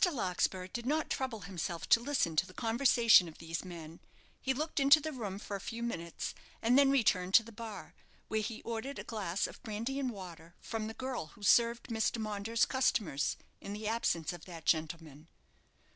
Larkspur did not trouble himself to listen to the conversation of these men; he looked into the room for a few minutes and then returned to the bar, where he ordered a glass of brandy and water from the girl who served Mr. Maunders's customers in the absence of that gentleman.